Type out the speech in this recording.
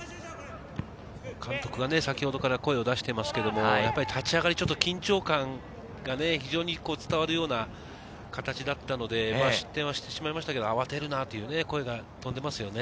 監督は先ほどから声を出していますけど立ち上がり、ちょっと緊張感、非常に伝わるような形だったので、失点はしてしまいましたけれど、慌てるなという声が飛んでいます